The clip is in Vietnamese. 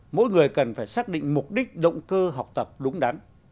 mỗi người cần phải xác định mục đích động cơ học tập đúng đắn